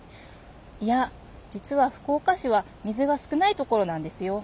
いや実は福岡市は水が少ないところなんですよ。